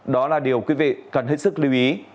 đó là điều quý vị cần hết sức lưu ý